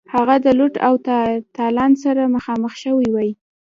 هغه د لوټ او تالان سره مخامخ شوی وای.